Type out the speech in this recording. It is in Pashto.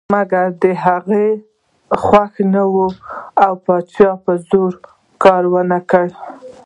مګر د هغې خوښه نه وه او پاچا په زور کار ونه کړ.